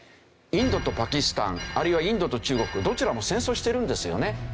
インドとパキスタンあるいはインドと中国どちらも戦争しているんですよね。